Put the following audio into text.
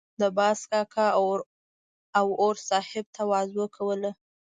د باز کاکا او اور صاحب تواضع کوله.